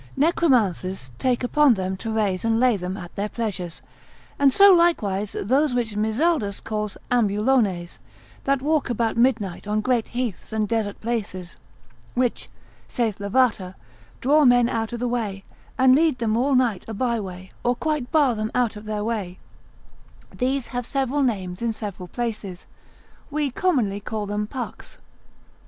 Necromancers take upon them to raise and lay them at their pleasures: and so likewise, those which Mizaldus calls ambulones, that walk about midnight on great heaths and desert places, which (saith Lavater) draw men out of the way, and lead them all night a byway, or quite bar them of their way; these have several names in several places; we commonly call them Pucks.